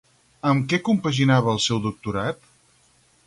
Amb què compaginava el seu doctorat?